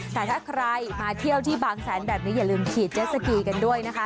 แต่ถ้าใครมาเที่ยวที่บางแสนแบบนี้อย่าลืมฉีดเจสสกีกันด้วยนะคะ